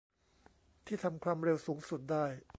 ที่ทำความเร็วสูงสุดได้